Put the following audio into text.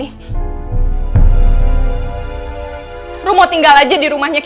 apa aja tinggalin rumah pak